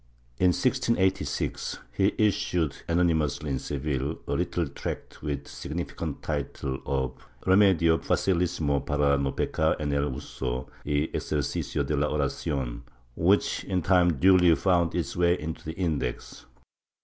In 1686 he issued anony mously in Seville a little tract with the significant title of " Remedio facilissimo para no pecar en el uso y exercicio de la Oracion," which in time duly found its way into the Index.